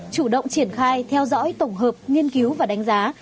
chủ động triển khai theo dõi tổng hợp nghiên cứu và đánh giá